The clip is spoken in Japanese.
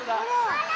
あら。